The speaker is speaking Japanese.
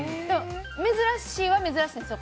珍しいは珍しいんですよ。